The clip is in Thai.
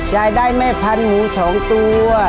ยายได้แม่พันหมู๒ตัว